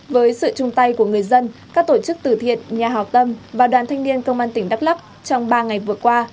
với sự chung tay của người dân các tổ chức tử thiện nhà hào tâm và đoàn thanh niên công an tỉnh đắk lắc trong ba ngày vừa qua